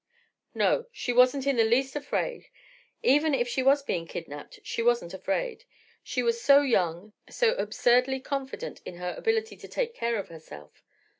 No: she wasn't in the least afraid. Even if she were being kidnapped, she wasn't afraid. She was so young, so absurdly confident in her ability to take care of herself.